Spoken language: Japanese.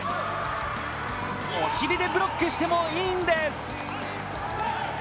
お尻でブロックしてもいいんです。